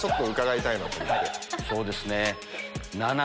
そうですねぇ。